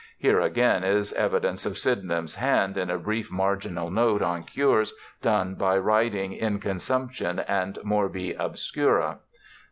Here, again, is evidence of Sydenham's hand, in a brief marginal note on cures done by riding in consumption and morbi obscuri.